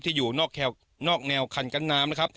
อยู่นอกแนวคันกั้นน้ำนะครับ